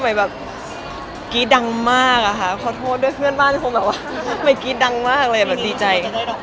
ใหม่เป็นลิงเลยค่ะวิ่งทั่วบ้านเลย